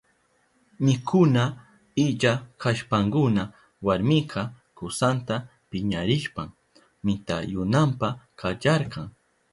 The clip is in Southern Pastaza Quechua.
Mikuna illa kashpankuna warminka kusanta piñarishpan mitayunanpa kacharka.